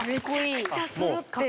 めちゃくちゃそろってる。